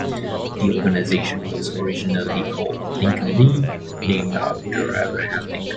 The organization was originally called the Lincoln League, named after Abraham Lincoln.